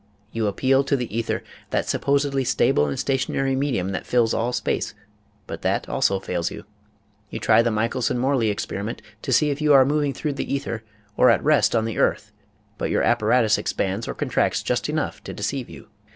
You appeal to the ether, that supposedly stable and stationary medium that fills all space, but that also fails you. You try the Michelson Morley experiment to see if you are moving through the ether or at rest on the earth but your apparatus expands or contracts just enough to deceive you.